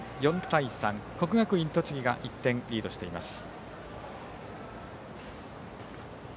４対３と国学院栃木が１点リードしています。